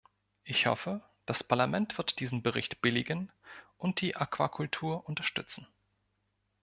Ich hoffe, das Parlament wird diesen Bericht billigen und die Aquakultur unterstützen.